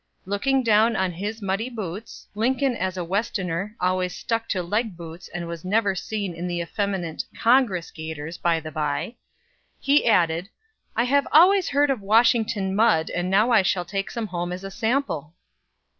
Looking down on his muddy boots (Lincoln as a Westerner always stuck to leg boots, and was never seen in the effeminate "Congress gaiters," by the bye), he added: "I have always heard of 'Washington mud,' and now I shall take home some as a sample!"